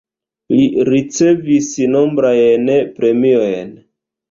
Li ricevis nombrajn premiojn.